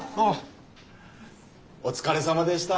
お疲れさまでした。